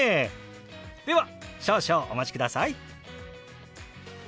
では少々お待ちください。